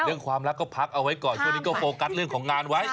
ความรักก็พักเอาไว้ก่อนช่วงนี้ก็โฟกัสเรื่องของงานไว้